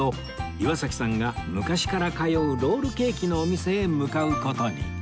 岩崎さんが昔から通うロールケーキのお店へ向かう事に